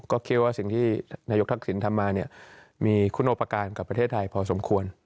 ก็คิดว่าสิ่งที่นายกทักษิณทำมาเนี่ยมีคุณโอปการณ์กับประเทศไทยพอสมควร